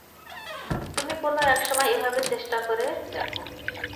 তুমি কোনো একসময় এভাবে চেষ্টা করে দেখো।